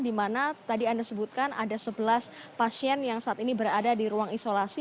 di mana tadi anda sebutkan ada sebelas pasien yang saat ini berada di ruang isolasi